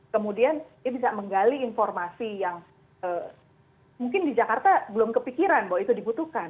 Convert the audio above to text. kemudian dia bisa menggali informasi yang mungkin di jakarta belum kepikiran bahwa itu dibutuhkan